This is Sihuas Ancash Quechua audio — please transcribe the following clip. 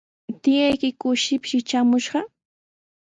¿Tiyaykiku shipshi traamushqa?